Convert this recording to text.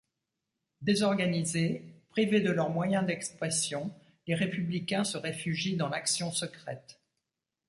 Désorganisés, privés de leurs moyens d’expression, les républicains se réfugient dans l’action secrète.